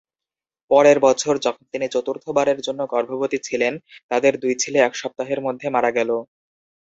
পরের বছর, যখন তিনি চতুর্থবারের জন্য গর্ভবতী ছিলেন, তাদের দুই ছেলে এক সপ্তাহের মধ্যে মারা গেল।